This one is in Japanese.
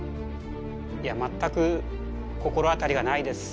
いや全く心当たりがないです。